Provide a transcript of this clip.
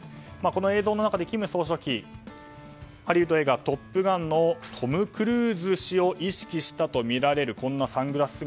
この映像の中で金総書記ハリウッド映画「トップガン」のトム・クルーズ氏を意識したとみられるこんなサングラス姿。